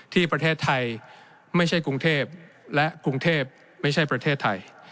ที่ประเทศไทยไม่ใช่กรุงเทพและกรุงเทพไม่ใช่ประเทศไทย